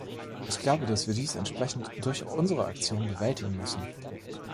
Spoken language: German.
Ich glaube, dass wir dies entsprechend durch unsere Aktion bewältigen müssen.